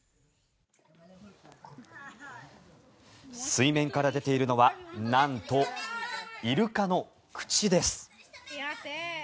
水面から出ているのはなんとイルカの口です。